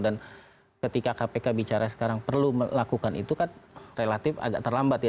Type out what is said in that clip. dan ketika kpk bicara sekarang perlu melakukan itu kan relatif agak terlambat ya